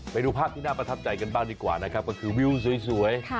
ไปดูภาพที่น่าประทับใจกันบ้างดีกว่านะครับก็คือวิวสวย